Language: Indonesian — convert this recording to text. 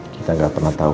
kita gak pernah tau